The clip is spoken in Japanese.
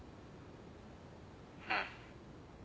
うん。